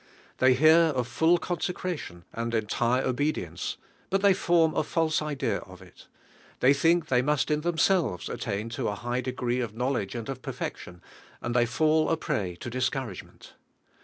They hear of full consecration nnd entire obedience, but they form a false idea of it. They think they must in them DIVINE HEALIKO. selves attain to a high degree of know ledge and of perfection, and they fall a prey to discouragement.